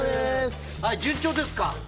順調ですか？